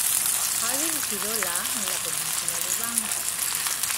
Ha dirigido la en la península de Banks.